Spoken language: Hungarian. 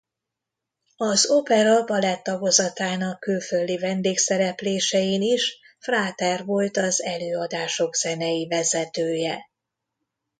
Az Opera balett-tagozatának külföldi vendégszereplésein is Fráter volt az előadások zenei vezetője.